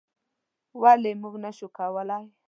ولې موږ نشو کولی؟